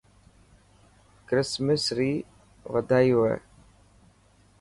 ڪرسمرس ري وڌائي هوئي.